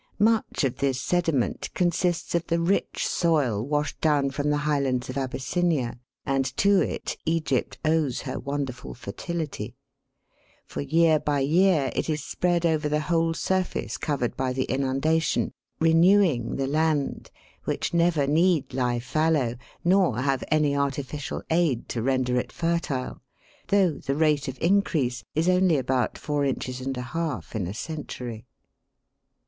Much of this sediment consists of the rich soil washed down from the highlands of Abys sinia, and to it Egypt owes her wonderful fertility ; for year by year it is spread over the whole surface covered by the inundation, renewing the land, which never need lie fallow nor have any artificial aid to render it fertile, though the rate of increase is only about four inches and a half in a century.